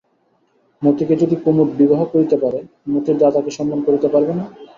মতিকে যদি কুমুদ বিবাহ করিতে পারে, মতির দাদাকে সম্মান করিতে পারবে না?